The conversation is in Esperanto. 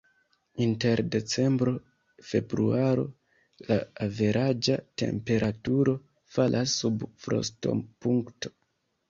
Inter decembro-februaro la averaĝa temperaturo falas sub frostopunkto.